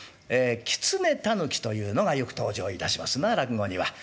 狐狸というのがよく登場いたしますな落語には。